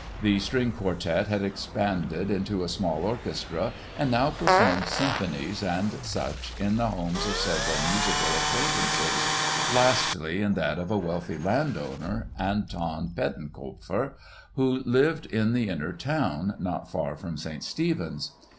The string quartet had expanded into a small orchestra and now performed symphonies and such in the homes of several musical acquaintances, lastly in that of a wealthy landowner, Anton Pettenkofer, who lived in the Inner Town, not far from St. Stephen's.